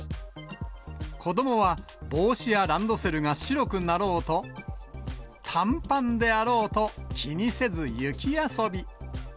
子どもは帽子やランドセルが白くなろうと、短パンであろうと気にせず雪遊び。